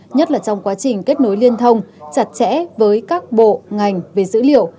nhất là trong quá trình kết nối liên thông chặt chẽ với các bộ ngành về dữ liệu